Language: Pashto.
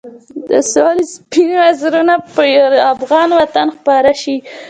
د سولې سپین وزرونه به پر افغان وطن خپاره شي.